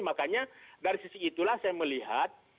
makanya dari sisi itulah saya melihat